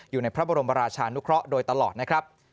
อยู่ในพระบรมราชานุเคราะห์โดยตลอดนะครับ